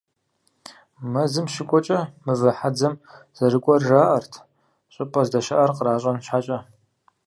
Мэзым щыкӀуэкӀэ, «Мывэ хьэдзэм» зэрыкӀуэр жаӀэрт, щӀыпӀэ здэщыӀэр къращӀэн щхьэкӀэ.